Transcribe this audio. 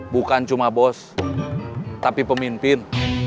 bukan cuma bos tapi pemimpin